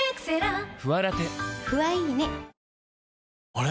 あれ？